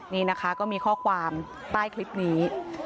นี่นะคะก็มีข้อความใต้คลิปนี้